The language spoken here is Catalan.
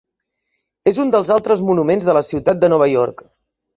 És un dels altres monuments de la ciutat de Nova York.